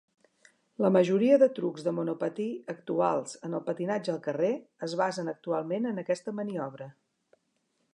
La majoria de trucs de monopatí actuals en el patinatge al carrer es basen actualment en aquesta maniobra.